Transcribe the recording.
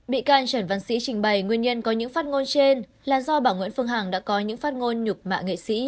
bị can trần văn sĩ trình bày nguyên nhân có những phát ngôn trên là do bà nguyễn phương hằng đã có những phát ngôn nhục mạ nghệ sĩ